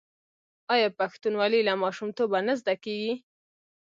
آیا پښتونولي له ماشومتوبه نه زده کیږي؟